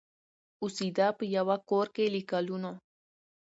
اوسېده په یوه کورکي له کلونو